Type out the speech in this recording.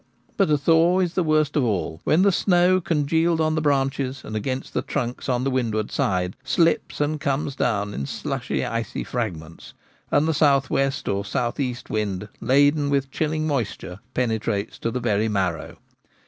But a thaw is the worst of all, when the snow congealed on the branches and against the trunks on the windward side, slips and comes down in slushy, icy fragments, and the south west or south east wind, laden with chilling moisture, penetrates to the very marrow.